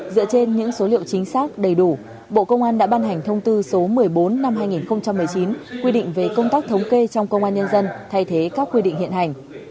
dựa trên những số liệu chính xác đầy đủ bộ công an đã ban hành thông tư số một mươi bốn năm hai nghìn một mươi chín quy định về công tác thống kê trong công an nhân dân thay thế các quy định hiện hành